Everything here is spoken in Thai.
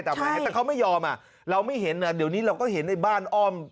แต่เขาไม่ยอมเราไม่เห็นเราก็เห็นในบ้านอ้อม